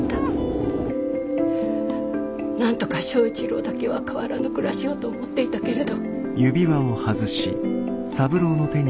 なんとか正一郎だけは変わらぬ暮らしをと思っていたけれど。